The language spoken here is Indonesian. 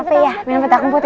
capek ya main berdua kompot ya